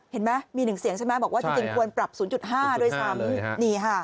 เห็นไหมมี๑เสียงใช่ไหมบอกว่าจริงควรปรับ๐๕ด้วยซ้ำ